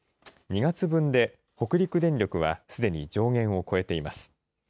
２月分で北陸電力はすでに上限を超えています。